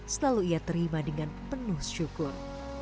selalu ia terima dengan penuh syukur